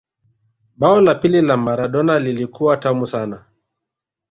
bao la pili la Maradona lilikuwa tamu sana